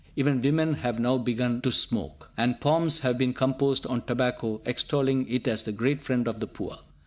Even women have now begun to smoke. And poems have been composed on tobacco, extolling it as the great friend of the poor!